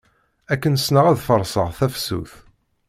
Akken sneɣ ad farṣeɣ tafsut.